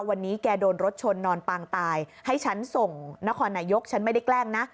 วันนี้แกโดนรถชนนอนปางตายให้ฉันส่งนครนายกฉันไม่ได้แกล้งนะ